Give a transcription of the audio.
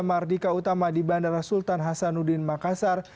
mar dika utama di bandara sultan hasanuddin makassar